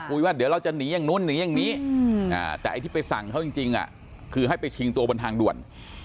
ว่าเดี๋ยวเราจะหนีอย่างนู้นหนีอย่างนี้แต่ไอ้ที่ไปสั่งเขาจริงคือให้ไปชิงตัวบนทางด่วน